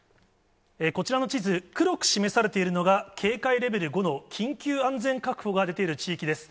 こちらの地図、黒く示されているのが警戒レベル５の緊急安全確保が出ている地域です。